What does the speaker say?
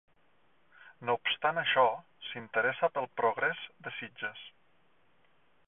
No obstant això, s'interessà pel progrés de Sitges.